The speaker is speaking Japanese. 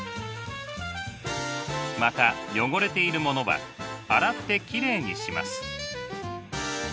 また汚れているものは洗ってきれいにします。